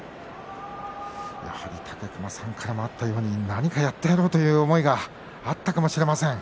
やはり武隈さんからもあったように何かやってやろうという思いがあったかもしれません。